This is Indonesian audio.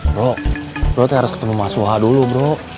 bro bro teh harus ketemu mas suha dulu bro